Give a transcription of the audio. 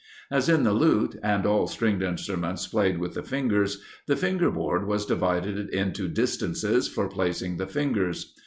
As in the Lute, and all stringed instruments played with the fingers, the finger board was divided into distances for placing the fingers.